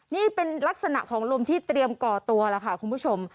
นี่เป็นลักษณะของลมที่เตรียมก่อตัวล่ะค่ะคุณผู้ชม